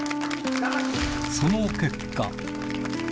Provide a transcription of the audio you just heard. その結果。